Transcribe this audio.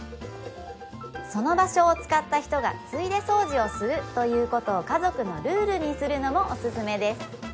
その場所を使った人がついで掃除をするということを家族のルールにするのもオススメです